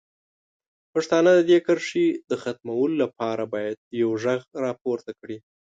پښتانه د دې کرښې د ختمولو لپاره باید یو غږ راپورته کړي.